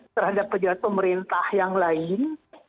terhadap pejabat pemerintah yang lain